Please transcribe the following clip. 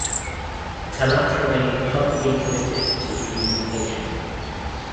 Talat remained publicly committed to reunification.